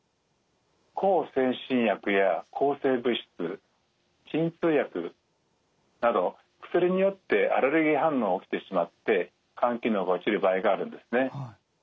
向精神薬や抗生物質鎮痛薬など薬によってアレルギー反応が起きてしまって肝機能が落ちる場合があるんですね。